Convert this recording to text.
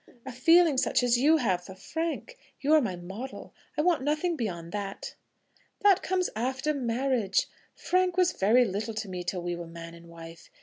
"A feeling such as you have for Frank. You are my model; I want nothing beyond that." "That comes after marriage. Frank was very little to me till we were man and wife.